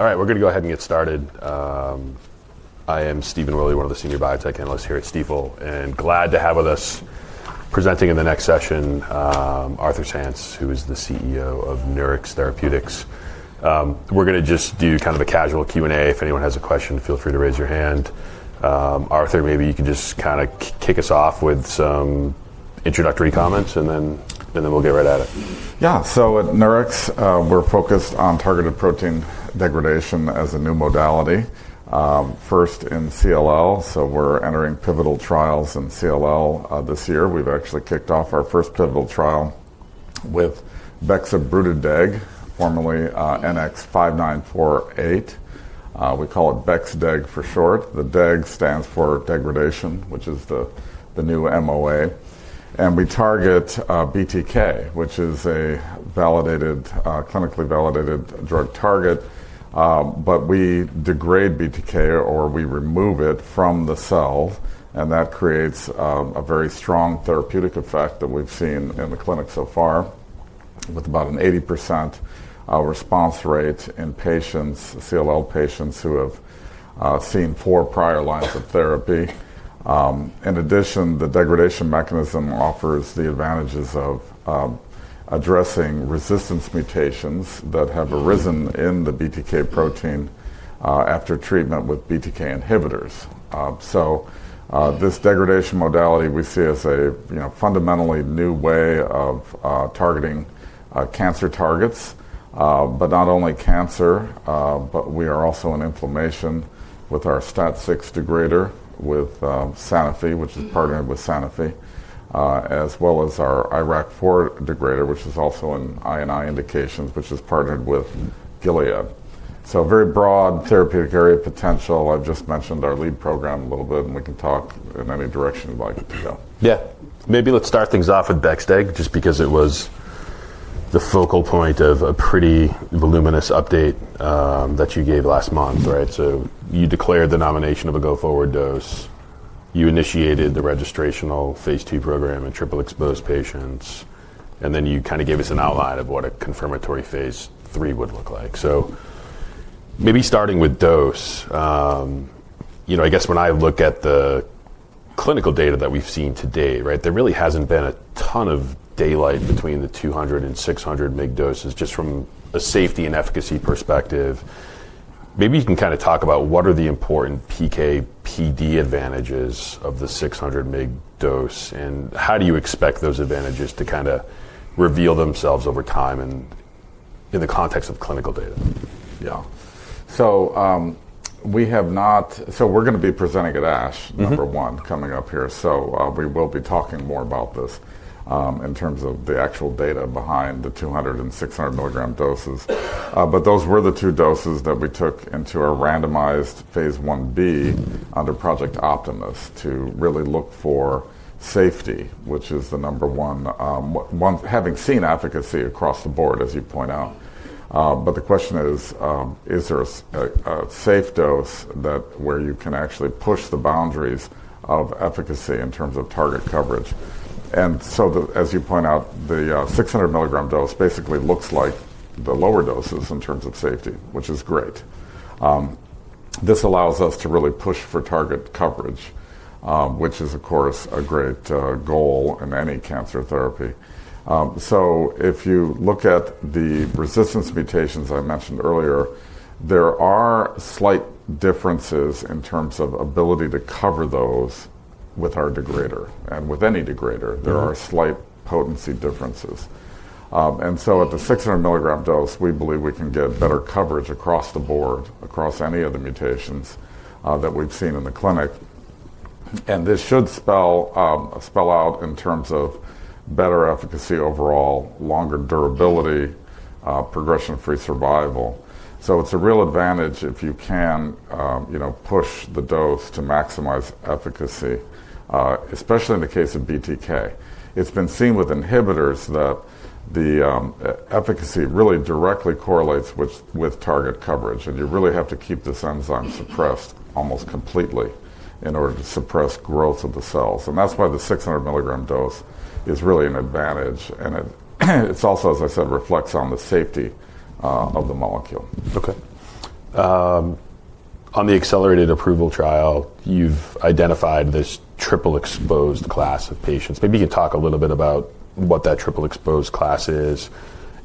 All right, we're going to go ahead and get started. I am Stephen Willey, one of the senior biotech analysts here at Stifel, and glad to have with us, presenting in the next session, Arthur Sands, who is the CEO of Nurix Therapeutics. We're going to just do kind of a casual Q&A. If anyone has a question, feel free to raise your hand. Arthur, maybe you can just kind of kick us off with some introductory comments, and then we'll get right at it. Yeah, so at Nurix, we're focused on targeted protein degradation as a new modality, first in CLL. We're entering pivotal trials in CLL this year. We've actually kicked off our first pivotal trial with Bexobrutideg, formerly NX-5948. We call it Bexdeg for short. The "deg" stands for degradation, which is the new MOA. We target BTK, which is a clinically validated drug target. We degrade BTK, or we remove it from the cell, and that creates a very strong therapeutic effect that we've seen in the clinic so far, with about an 80% response rate in CLL patients who have seen four prior lines of therapy. In addition, the degradation mechanism offers the advantages of addressing resistance mutations that have arisen in the BTK protein after treatment with BTK inhibitors. This degradation modality we see as a fundamentally new way of targeting cancer targets. Not only cancer, but we are also in inflammation with our STAT6 degrader with Sanofi, which is partnered with Sanofi, as well as our IRAK4 degrader, which is also in I&I indications, which is partnered with Gilead. Very broad therapeutic area potential. I have just mentioned our lead program a little bit, and we can talk in any direction you would like to go. Yeah, maybe let's start things off with Bexdeg, just because it was the focal point of a pretty voluminous update that you gave last month. You declared the nomination of a go-forward dose. You initiated the registrational phase II program in triple-exposed patients. You kind of gave us an outline of what a confirmatory phase III would look like. Maybe starting with dose, I guess when I look at the clinical data that we've seen today, there really hasn't been a ton of daylight between the 200 mg and 600 mg doses, just from a safety and efficacy perspective. Maybe you can kind of talk about what are the important PK/PD advantages of the 600 mg dose, and how do you expect those advantages to kind of reveal themselves over time and in the context of clinical data? Yeah, so we're going to be presenting at ASH, number one, coming up here. We will be talking more about this in terms of the actual data behind the 200 and 600 mg doses. Those were the two doses that we took into our randomized phase IB under Project Optimus to really look for safety, which is the number one, having seen efficacy across the board, as you point out. The question is, is there a safe dose where you can actually push the boundaries of efficacy in terms of target coverage? As you point out, the 600 mg dose basically looks like the lower doses in terms of safety, which is great. This allows us to really push for target coverage, which is, of course, a great goal in any cancer therapy. If you look at the resistance mutations I mentioned earlier, there are slight differences in terms of ability to cover those with our degrader. And with any degrader, there are slight potency differences. At the 600 mg dose, we believe we can get better coverage across the board, across any of the mutations that we've seen in the clinic. This should spell out in terms of better efficacy overall, longer durability, progression-free survival. It's a real advantage if you can push the dose to maximize efficacy, especially in the case of BTK. It's been seen with inhibitors that the efficacy really directly correlates with target coverage. You really have to keep this enzyme suppressed almost completely in order to suppress growth of the cells. That's why the 600 mg dose is really an advantage. It also, as I said, reflects on the safety of the molecule. OK. On the accelerated approval trial, you've identified this triple-exposed class of patients. Maybe you can talk a little bit about what that triple-exposed class is.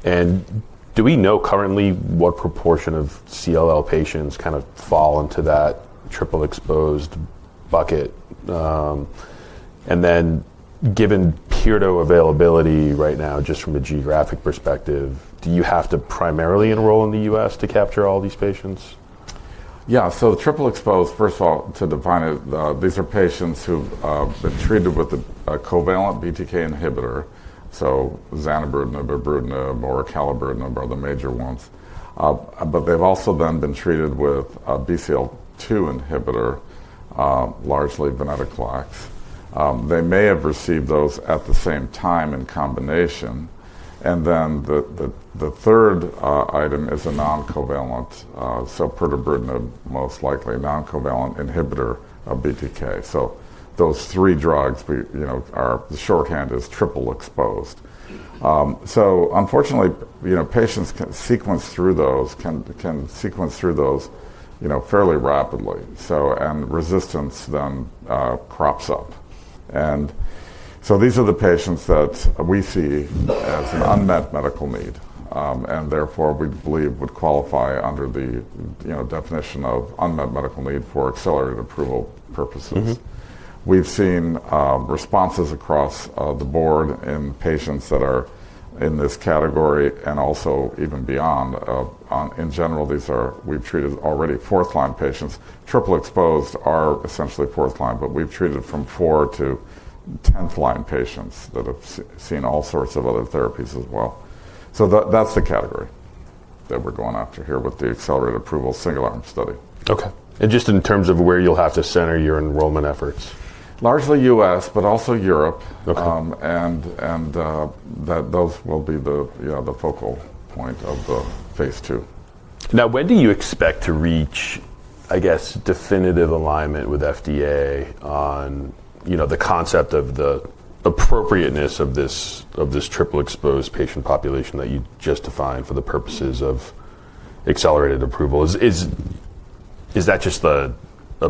Do we know currently what proportion of CLL patients kind of fall into that triple-exposed bucket? Given pirtobrutinib availability right now, just from a geographic perspective, do you have to primarily enroll in the US to capture all these patients? Yeah, so triple-exposed, first of all, to define it, these are patients who've been treated with a covalent BTK inhibitor, so zanubrutinib, ibrutinib, or acalabrutinib are the major ones. They've also then been treated with a BCL-2 inhibitor, largely venetoclax. They may have received those at the same time in combination. The third item is a non-covalent, so pirtobrutinib, most likely a non-covalent inhibitor of BTK. Those three drugs, the shorthand is triple-exposed. Unfortunately, patients can sequence through those fairly rapidly. Resistance then crops up. These are the patients that we see as an unmet medical need. Therefore, we believe would qualify under the definition of unmet medical need for accelerated approval purposes. We've seen responses across the board in patients that are in this category and also even beyond. In general, we've treated already fourth-line patients. Triple-exposed are essentially fourth-line, but we've treated from four to 10th-line patients that have seen all sorts of other therapies as well. That's the category that we're going after here with the accelerated approval single-arm study. OK. In terms of where you'll have to center your enrollment efforts? Largely U.S., but also Europe. Those will be the focal point of phase II. Now, when do you expect to reach, I guess, definitive alignment with FDA on the concept of the appropriateness of this triple-exposed patient population that you just defined for the purposes of accelerated approval? Is that just a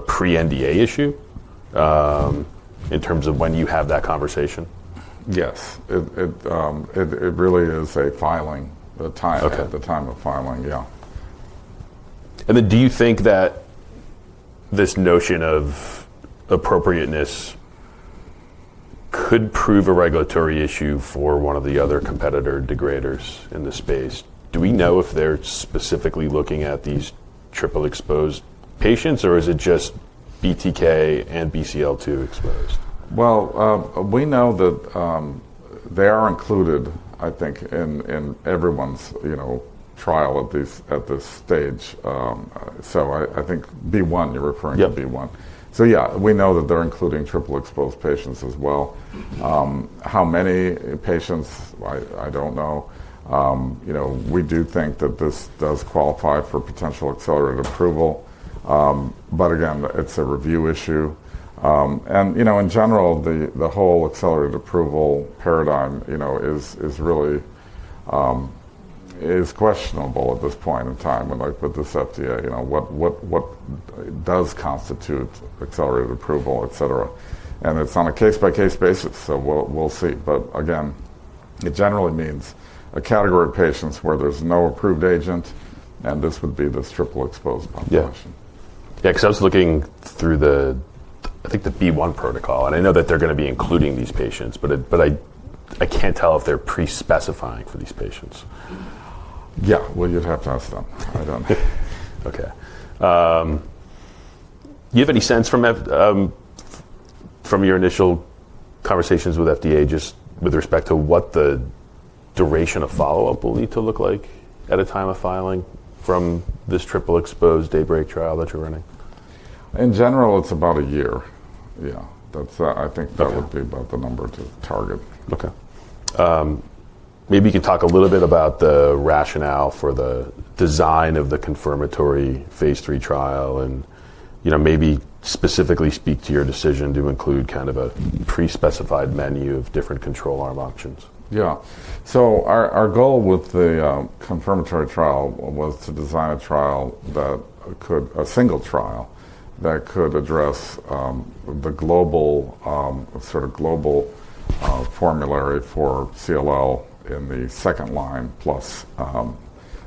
pre-NDA issue in terms of when you have that conversation? Yes, it really is a filing, the time of filing. Yeah. Do you think that this notion of appropriateness could prove a regulatory issue for one of the other competitor degraders in the space? Do we know if they're specifically looking at these triple-exposed patients, or is it just BTK and BCL-2 exposed? We know that they are included, I think, in everyone's trial at this stage. I think B1, you're referring to B1. Yeah, we know that they're including triple-exposed patients as well. How many patients, I don't know. We do think that this does qualify for potential accelerated approval. Again, it's a review issue. In general, the whole accelerated approval paradigm is questionable at this point in time. Like with this FDA, what does constitute accelerated approval, et cetera? It's on a case-by-case basis. We'll see. Again, it generally means a category of patients where there's no approved agent. This would be this triple-exposed population. Yeah, because I was looking through the, I think, the B1 protocol. I know that they're going to be including these patients, but I can't tell if they're pre-specifying for these patients. Yeah, you'd have to ask them. I don't know. OK. Do you have any sense from your initial conversations with FDA just with respect to what the duration of follow-up will need to look like at a time of filing from this triple-exposed DAYBreak trial that you're running? In general, it's about a year. Yeah, I think that would be about the number to target. OK. Maybe you can talk a little bit about the rationale for the design of the confirmatory phase III trial and maybe specifically speak to your decision to include kind of a pre-specified menu of different control arm options. Yeah, so our goal with the confirmatory trial was to design a trial that could, a single trial that could address the sort of global formulary for CLL in the second-line+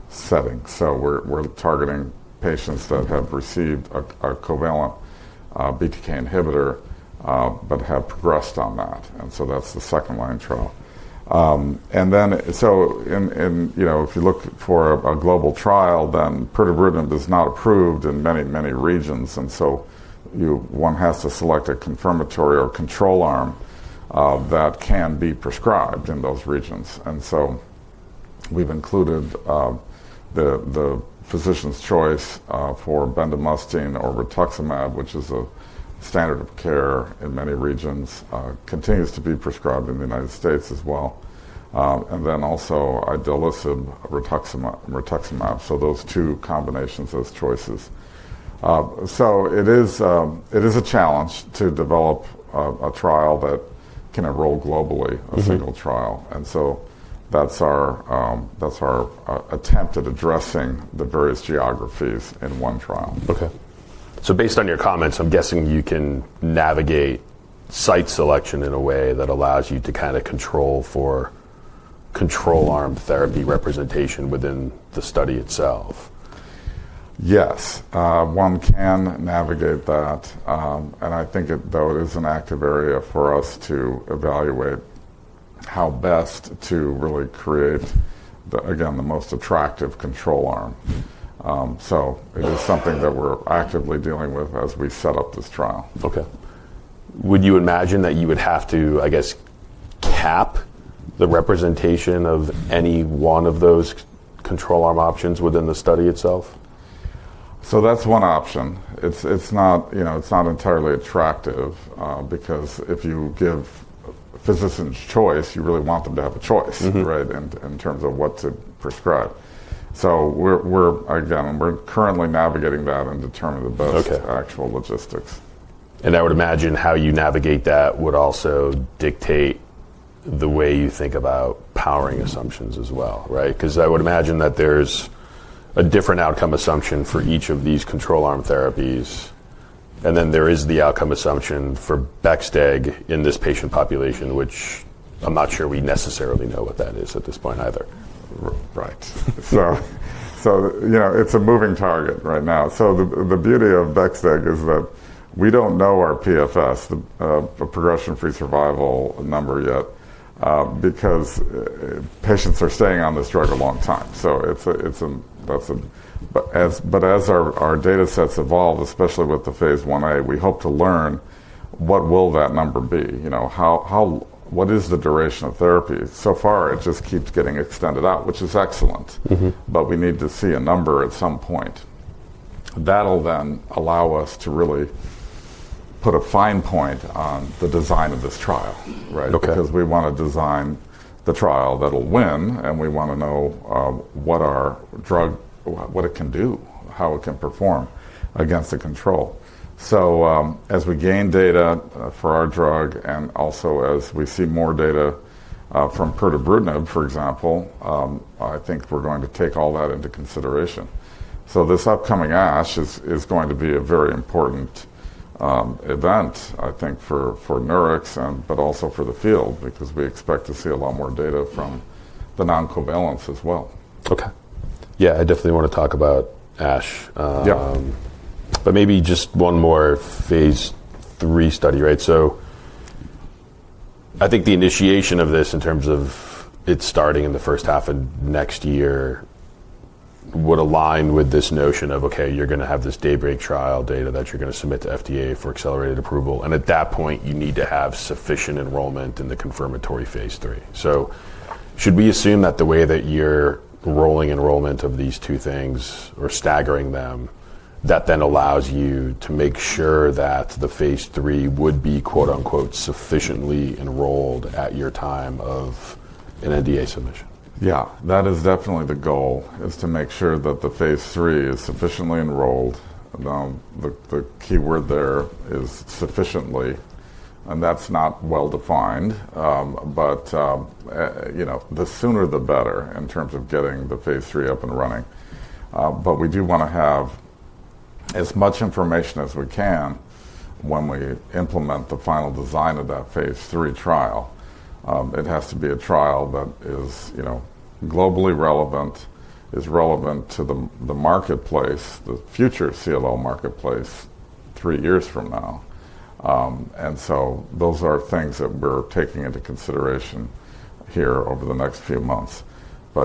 setting. We’re targeting patients that have received a covalent BTK inhibitor but have progressed on that. That’s the second-line trial. If you look for a global trial, then pirtobrutinib is not approved in many, many regions. One has to select a confirmatory or control arm that can be prescribed in those regions. We’ve included the physician’s choice for bendamustine or rituximab, which is a standard of care in many regions, continues to be prescribed in the United States as well. Also idelalisib, rituximab. Those two combinations as choices. It is a challenge to develop a trial that can enroll globally, a single trial. That's our attempt at addressing the various geographies in one trial. OK. Based on your comments, I'm guessing you can navigate site selection in a way that allows you to kind of control for control arm therapy representation within the study itself. Yes, one can navigate that. I think it, though, is an active area for us to evaluate how best to really create, again, the most attractive control arm. It is something that we're actively dealing with as we set up this trial. OK. Would you imagine that you would have to, I guess, cap the representation of any one of those control arm options within the study itself? That's one option. It's not entirely attractive because if you give physicians choice, you really want them to have a choice in terms of what to prescribe. Again, we're currently navigating that and determining the best actual logistics. I would imagine how you navigate that would also dictate the way you think about powering assumptions as well. I would imagine that there's a different outcome assumption for each of these control arm therapies. Then there is the outcome assumption for Bexdeg in this patient population, which I'm not sure we necessarily know what that is at this point either. Right. It is a moving target right now. The beauty of Bexdeg is that we do not know our PFS, the progression-free survival number, yet because patients are staying on this drug a long time. That is a, but as our data sets evolve, especially with the phase IA, we hope to learn what will that number be. What is the duration of therapy? So far, it just keeps getting extended out, which is excellent. We need to see a number at some point. That will then allow us to really put a fine point on the design of this trial because we want to design the trial that will win. We want to know what it can do, how it can perform against the control. As we gain data for our drug and also as we see more data from pirtobrutinib, for example, I think we're going to take all that into consideration. This upcoming ASH is going to be a very important event, I think, for Nurix, but also for the field because we expect to see a lot more data from the non-covalents as well. OK. Yeah, I definitely want to talk about ASH. Maybe just one more phase III study. I think the initiation of this in terms of it starting in the first half of next year would align with this notion of, OK, you're going to have this DAYBreak trial data that you're going to submit to FDA for accelerated approval. At that point, you need to have sufficient enrollment in the confirmatory phase III. Should we assume that the way that you're rolling enrollment of these two things or staggering them, that then allows you to make sure that the phase III would be "sufficiently enrolled" at your time of an NDA submission? Yeah, that is definitely the goal, is to make sure that the phase III is sufficiently enrolled. The key word there is sufficiently. That is not well defined. The sooner, the better in terms of getting the phase III up and running. We do want to have as much information as we can when we implement the final design of that phase III trial. It has to be a trial that is globally relevant, is relevant to the marketplace, the future CLL marketplace three years from now. Those are things that we are taking into consideration here over the next few months.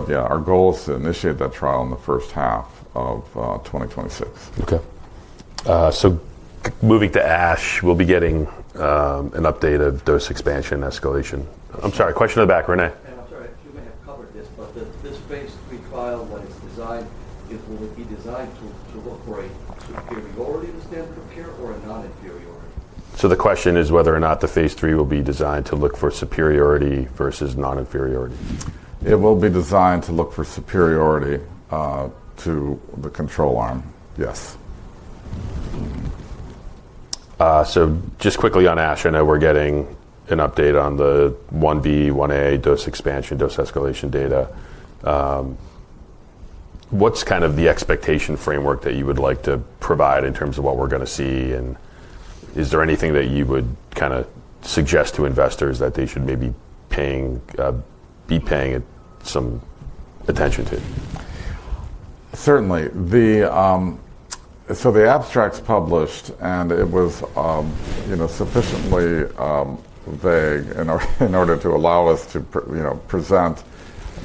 Yeah, our goal is to initiate that trial in the first half of 2026. OK. Moving to ASH, we'll be getting an update of dose expansion escalation. I'm sorry, question in the back, Renex. I'm sorry. You may have covered this, but this phase III trial, when it's designed, will it be designed to look for a superiority in the standard of care or a non-inferiority? The question is whether or not the phase III will be designed to look for superiority versus non-inferiority? It will be designed to look for superiority to the control arm, yes. Just quickly on ASH, I know we're getting an update on the IB, IA dose expansion, dose escalation data. What's kind of the expectation framework that you would like to provide in terms of what we're going to see? Is there anything that you would kind of suggest to investors that they should maybe be paying some attention to? Certainly. The abstract's published. It was sufficiently vague in order to allow us to present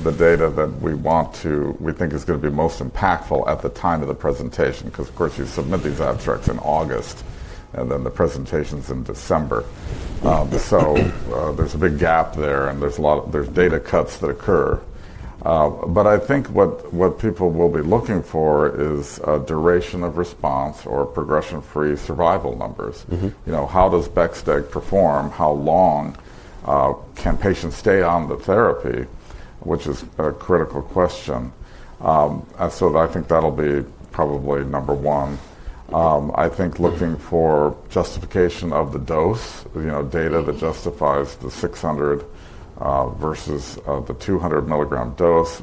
the data that we think is going to be most impactful at the time of the presentation because, of course, you submit these abstracts in August. The presentation's in December. There's a big gap there. There's data cuts that occur. I think what people will be looking for is a duration of response or progression-free survival numbers. How does Bexdeg perform? How long can patients stay on the therapy, which is a critical question? I think that'll be probably number one. I think looking for justification of the dose, data that justifies the 600 versus the 200 milligram dose,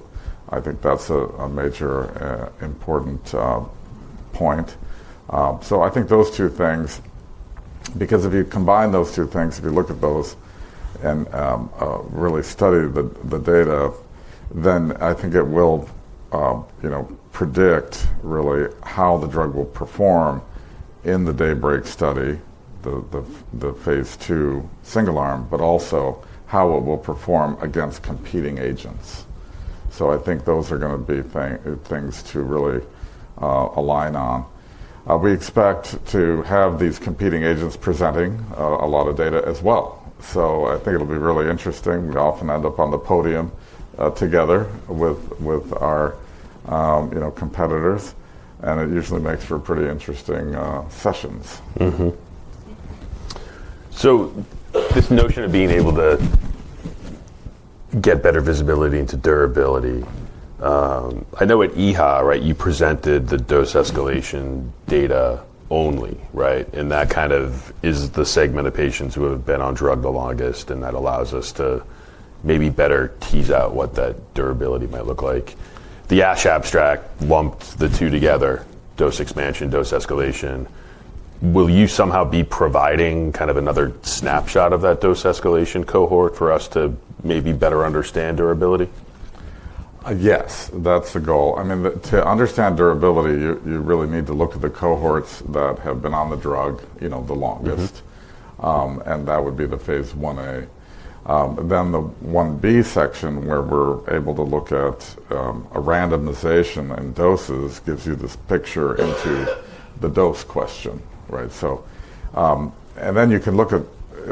I think that's a major important point. I think those two things, because if you combine those two things, if you look at those and really study the data, then I think it will predict really how the drug will perform in the DAYBreak study, the phase II single arm, but also how it will perform against competing agents. I think those are going to be things to really align on. We expect to have these competing agents presenting a lot of data as well. I think it'll be really interesting. We often end up on the podium together with our competitors. It usually makes for pretty interesting sessions. This notion of being able to get better visibility into durability, I know at EHA, you presented the dose escalation data only. That kind of is the segment of patients who have been on drug the longest. That allows us to maybe better tease out what that durability might look like. The ASH abstract lumped the two together, dose expansion, dose escalation. Will you somehow be providing kind of another snapshot of that dose escalation cohort for us to maybe better understand durability? Yes, that's the goal. I mean, to understand durability, you really need to look at the cohorts that have been on the drug the longest. That would be the phase IA. Then the IB section, where we're able to look at a randomization in doses, gives you this picture into the dose question. You can look at,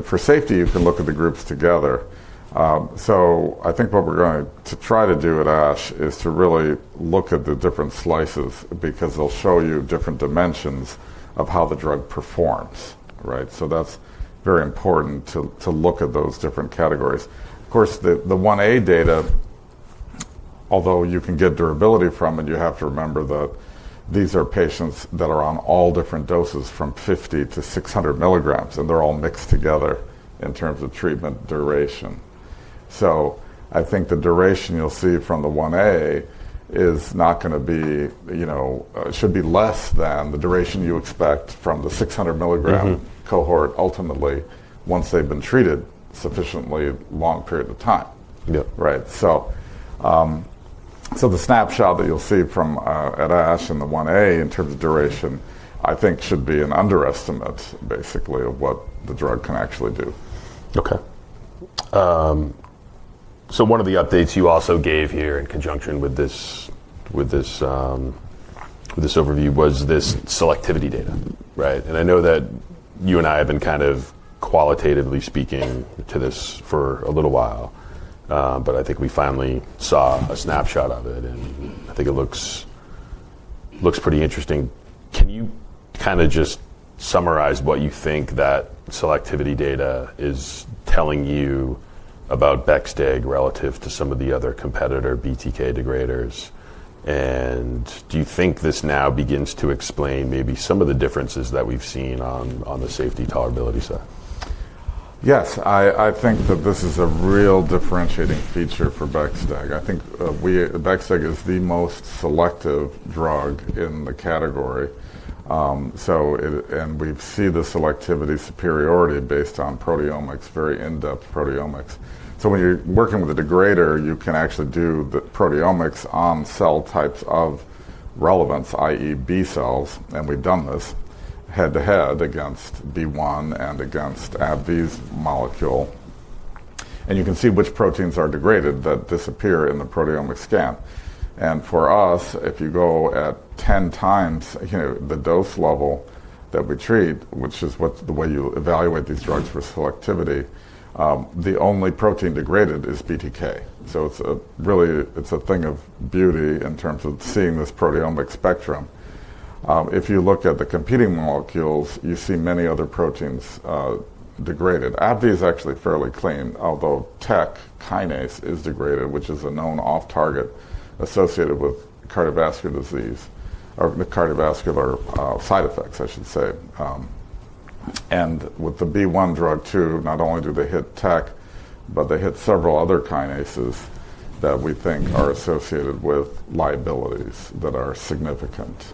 for safety, you can look at the groups together. I think what we're going to try to do at ASH is to really look at the different slices because they'll show you different dimensions of how the drug performs. That's very important to look at those different categories. Of course, the IA data, although you can get durability from it, you have to remember that these are patients that are on all different doses from 50 mg-600 mg. They're all mixed together in terms of treatment duration. I think the duration you'll see from the IA is not going to be, should be less than the duration you expect from the 600 milligram cohort ultimately once they've been treated a sufficiently long period of time. The snapshot that you'll see at ASH and the IA in terms of duration, I think, should be an underestimate, basically, of what the drug can actually do. OK. One of the updates you also gave here in conjunction with this overview was this selectivity data. I know that you and I have been kind of qualitatively speaking to this for a little while. I think we finally saw a snapshot of it. I think it looks pretty interesting. Can you kind of just summarize what you think that selectivity data is telling you about Bexdeg relative to some of the other competitor BTK degraders? Do you think this now begins to explain maybe some of the differences that we've seen on the safety tolerability side? Yes, I think that this is a real differentiating feature for Bexdeg. I think Bexdeg is the most selective drug in the category. We see the selectivity superiority based on proteomics, very in-depth proteomics. When you're working with a degrader, you can actually do the proteomics on cell types of relevance, i.e., B cells. We've done this head-to-head against B1 and against AbbVie's molecule. You can see which proteins are degraded that disappear in the proteomic scan. For us, if you go at 10x the dose level that we treat, which is the way you evaluate these drugs for selectivity, the only protein degraded is BTK. It's a thing of beauty in terms of seeing this proteomic spectrum. If you look at the competing molecules, you see many other proteins degraded. ABV is actually fairly clean, although TEC kinase is degraded, which is a known off-target associated with cardiovascular disease or cardiovascular side effects, I should say. With the B1 drug too, not only do they hit TEC, but they hit several other kinases that we think are associated with liabilities that are significant.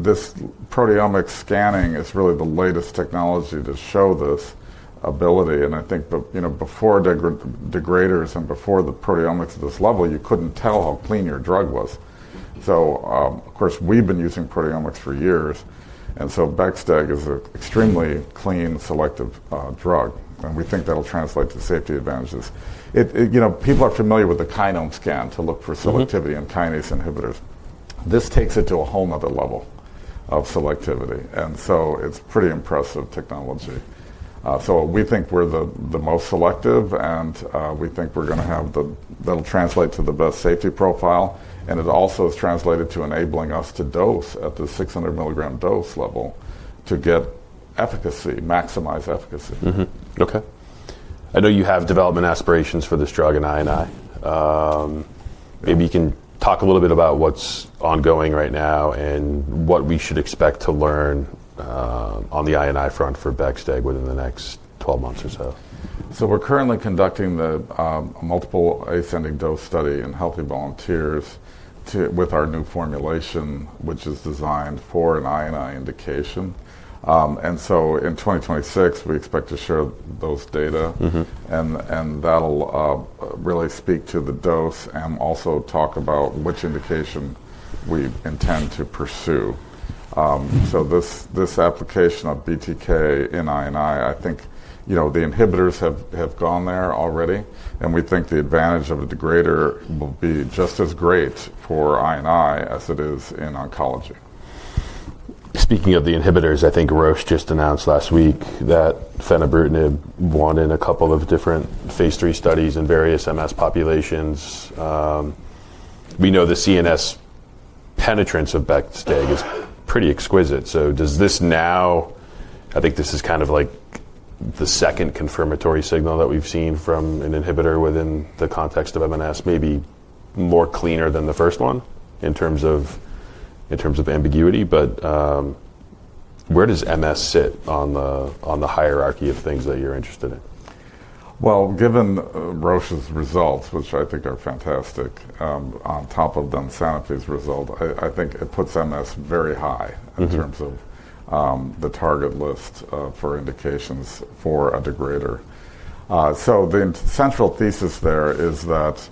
This proteomic scanning is really the latest technology to show this ability. I think before degraders and before the proteomics at this level, you could not tell how clean your drug was. Of course, we have been using proteomics for years. Bexdeg is an extremely clean, selective drug. We think that will translate to safety advantages. People are familiar with the kinome scan to look for selectivity in kinase inhibitors. This takes it to a whole nother level of selectivity. It is pretty impressive technology. We think we are the most selective. We think we're going to have that that'll translate to the best safety profile. It also has translated to enabling us to dose at the 600 mg dose level to get efficacy, maximize efficacy. OK. I know you have development aspirations for this drug in I&I. Maybe you can talk a little bit about what's ongoing right now and what we should expect to learn on the I&I front for Bexdeg within the next 12 months or so. We're currently conducting a multiple ascending dose study in healthy volunteers with our new formulation, which is designed for an I&I indication. In 2026, we expect to share those data. That'll really speak to the dose and also talk about which indication we intend to pursue. This application of BTK in I&I, I think the inhibitors have gone there already. We think the advantage of a degrader will be just as great for I&I as it is in oncology. Speaking of the inhibitors, I think Roche just announced last week that fenebrutinib won in a couple of different phase III studies in various MS populations. We know the CNS penetrance of Bexdeg is pretty exquisite. Does this now, I think this is kind of like the second confirmatory signal that we've seen from an inhibitor within the context of MS, maybe more cleaner than the first one in terms of ambiguity. Where does MS sit on the hierarchy of things that you're interested in? Given Roche's results, which I think are fantastic, on top of Sanofi's result, I think it puts MS very high in terms of the target list for indications for a degrader. The central thesis there is that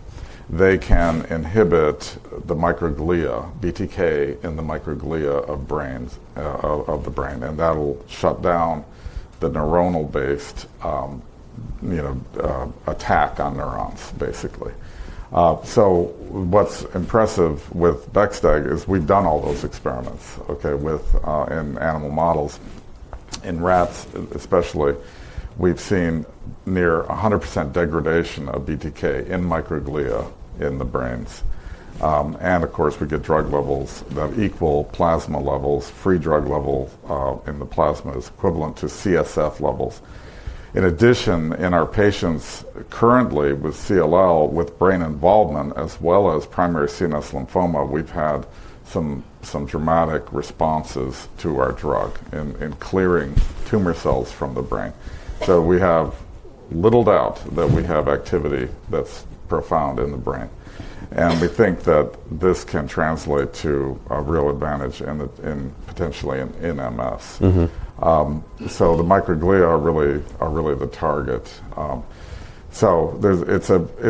they can inhibit the microglia, BTK in the microglia of the brain. That'll shut down the neuronal-based attack on neurons, basically. What's impressive with Bexdeg is we've done all those experiments in animal models. In rats, especially, we've seen near 100% degradation of BTK in microglia in the brains. Of course, we get drug levels that equal plasma levels. Free drug level in the plasma is equivalent to CSF levels. In addition, in our patients currently with CLL, with brain involvement as well as primary CNS lymphoma, we've had some dramatic responses to our drug in clearing tumor cells from the brain. We have little doubt that we have activity that's profound in the brain. We think that this can translate to a real advantage potentially in MS. The microglia are really the target.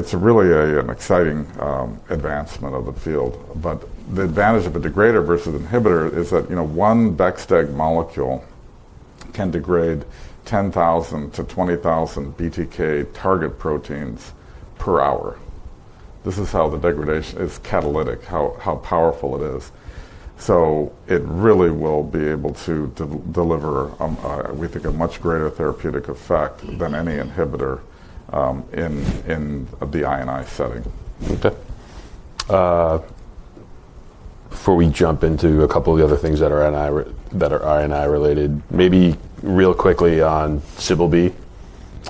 It's really an exciting advancement of the field. The advantage of a degrader versus an inhibitor is that one Bexdeg molecule can degrade 10,000 BTK-20,000 BTK target proteins per hour. This is how the degradation is catalytic, how powerful it is. It really will be able to deliver, we think, a much greater therapeutic effect than any inhibitor in the I&I setting. OK. Before we jump into a couple of the other things that are I&I related, maybe real quickly on CBL-B.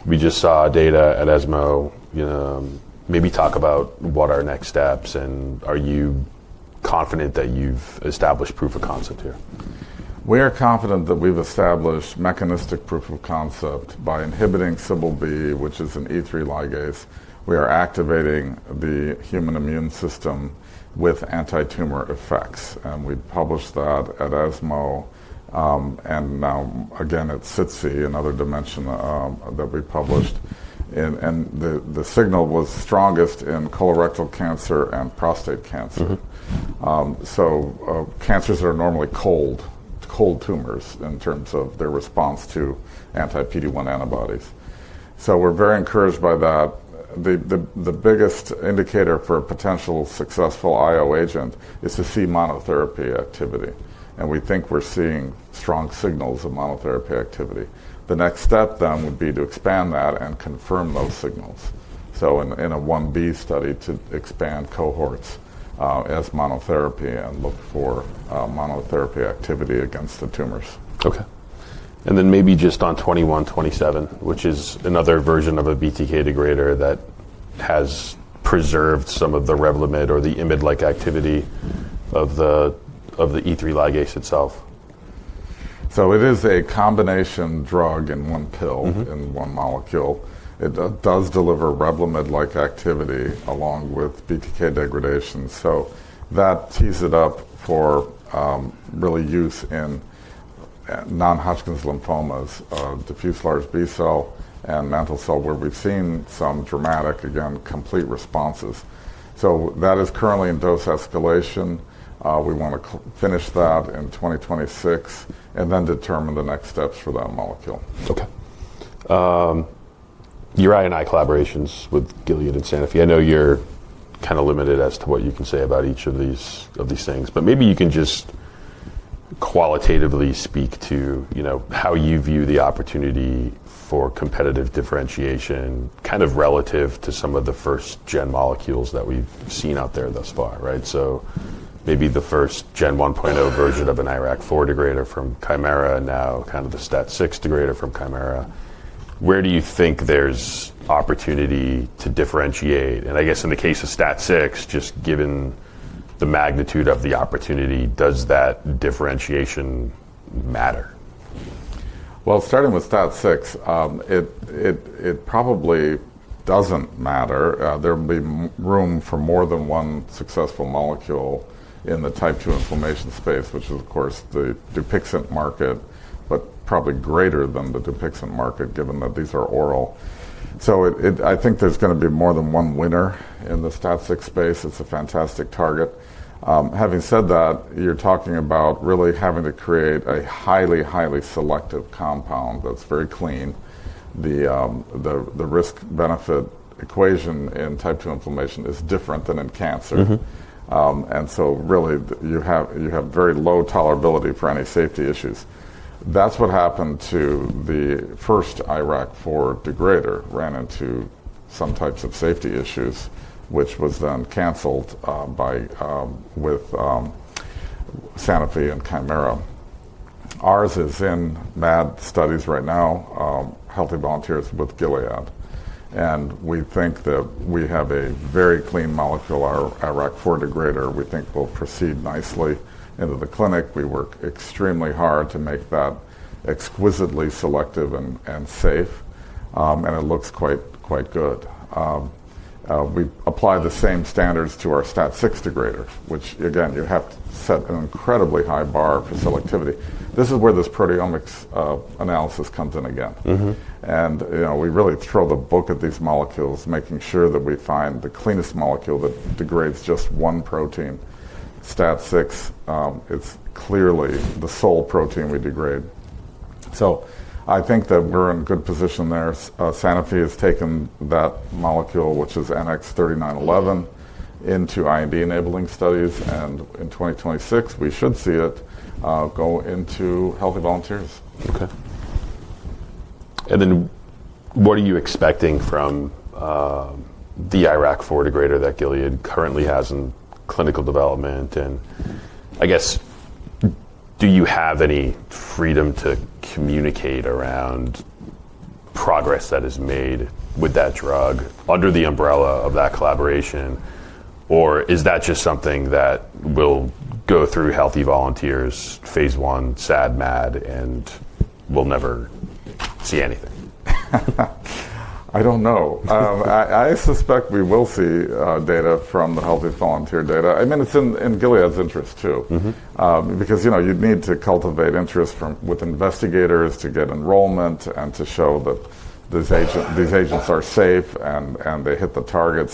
We just saw data at ESMO. Maybe talk about what are next steps. Are you confident that you've established proof of concept here? We are confident that we've established mechanistic proof of concept by inhibiting CBL-B, which is an E3 ligase. We are activating the human immune system with anti-tumor effects. We published that at ESMO. Now, again, at SITC, another dimension that we published. The signal was strongest in colorectal cancer and prostate cancer, so cancers that are normally cold, cold tumors in terms of their response to anti-PD-1 antibodies. We are very encouraged by that. The biggest indicator for a potential successful IO agent is to see monotherapy activity. We think we're seeing strong signals of monotherapy activity. The next step then would be to expand that and confirm those signals. In an IB study to expand cohorts as monotherapy and look for monotherapy activity against the tumors. OK. And then maybe just on 2127, which is another version of a BTK degrader that has preserved some of the Revlimid or the imid-like activity of the E3 ligase itself. It is a combination drug in one pill, in one molecule. It does deliver Revlimid-like activity along with BTK degradation. That tees it up for really use in non-Hodgkin's lymphomas, diffuse large B cell, and mantle cell, where we've seen some dramatic, again, complete responses. That is currently in dose escalation. We want to finish that in 2026 and then determine the next steps for that molecule. OK. Your I&I collaborations with Gilead and Sanofi, I know you're kind of limited as to what you can say about each of these things. Maybe you can just qualitatively speak to how you view the opportunity for competitive differentiation kind of relative to some of the first-gen molecules that we've seen out there thus far. Maybe the first-gen 1.0 version of an IRAK4 degrader from Chimera, and now kind of the STAT6 degrader from Chimera. Where do you think there's opportunity to differentiate? I guess in the case of STAT6, just given the magnitude of the opportunity, does that differentiation matter? Starting with STAT6, it probably doesn't matter. There will be room for more than one successful molecule in the type 2 inflammation space, which is, of course, the Dupixent market, but probably greater than the Dupixent market, given that these are oral. I think there's going to be more than one winner in the STAT6 space. It's a fantastic target. Having said that, you're talking about really having to create a highly, highly selective compound that's very clean. The risk-benefit equation in type 2 inflammation is different than in cancer. You have very low tolerability for any safety issues. That's what happened to the first IRAK4 degrader. It ran into some types of safety issues, which was then canceled with Sanofi and Chimera. Ours is in MAD studies right now, healthy volunteers with Gilead. We think that we have a very clean molecule, our IRAK4 degrader. We think we'll proceed nicely into the clinic. We work extremely hard to make that exquisitely selective and safe. It looks quite good. We apply the same standards to our STAT6 degrader, which, again, you have to set an incredibly high bar for selectivity. This is where this proteomics analysis comes in again. We really throw the book at these molecules, making sure that we find the cleanest molecule that degrades just one protein. STAT6, it's clearly the sole protein we degrade. I think that we're in a good position there. Sanofi has taken that molecule, which is NX-3911, into IND enabling studies. In 2026, we should see it go into healthy volunteers. OK. What are you expecting from the IRAK4 degrader that Gilead currently has in clinical development? I guess, do you have any freedom to communicate around progress that is made with that drug under the umbrella of that collaboration? Is that just something that will go through healthy volunteers, phase I, SAD, MAD, and we'll never see anything? I don't know. I suspect we will see data from the healthy volunteer data. I mean, it's in Gilead's interest too, because you need to cultivate interest with investigators to get enrollment and to show that these agents are safe and they hit the target.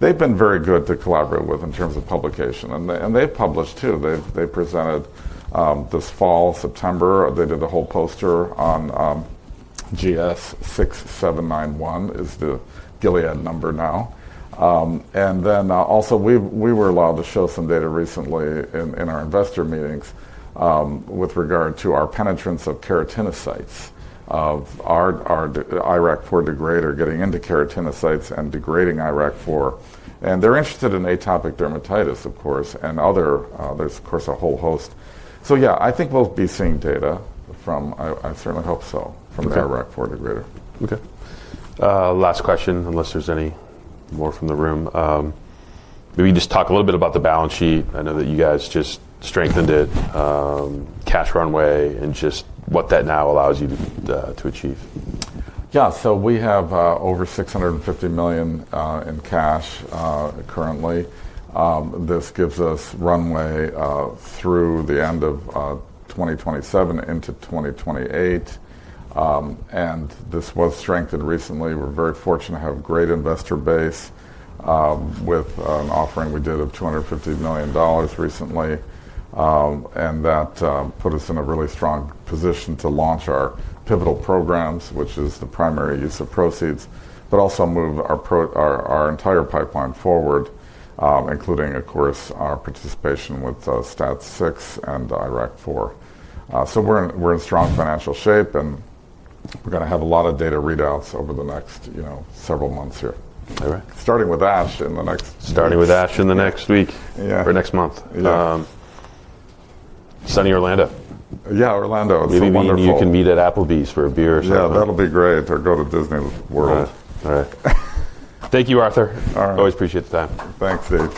They've been very good to collaborate with in terms of publication. They've published too. They presented this fall, September. They did a whole poster on GS-6791, is the Gilead number now. We were allowed to show some data recently in our investor meetings with regard to our penetrance of keratinocytes, of our IRAK4 degrader getting into keratinocytes and degrading IRAK4. They're interested in atopic dermatitis, of course, and other, there's, of course, a whole host. I think we'll be seeing data from, I certainly hope so, from the IRAK4 degrader. OK. Last question, unless there's any more from the room. Maybe just talk a little bit about the balance sheet. I know that you guys just strengthened it, cash runway, and just what that now allows you to achieve. Yeah. So we have over $650 million in cash currently. This gives us runway through the end of 2027 into 2028. This was strengthened recently. We're very fortunate to have a great investor base with an offering we did of $250 million recently. That put us in a really strong position to launch our pivotal programs, which is the primary use of proceeds, but also move our entire pipeline forward, including, of course, our participation with STAT6 and IRAK4. We're in strong financial shape. We're going to have a lot of data readouts over the next several months here, starting with ASH in the next week. Starting with ASH in the next week or next month. Sunny Orlando. Yeah, Orlando is wonderful. Maybe you can meet at Applebee's for a beer or something. Yeah, that'll be great. Or go to Disney World. Thank you, Arthur. All right. Always appreciate the time. Thanks, Steve.